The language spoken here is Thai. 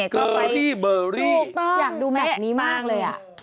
เกอร์รี่เบอร์รี่อยากดูแบบนี้มากเลยอ่ะ